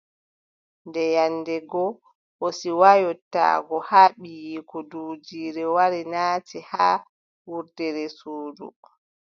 Nden nyande go, o siwa yottaago haa ɓiiyiiko, duujiire wari nasti haa wurdere suudu.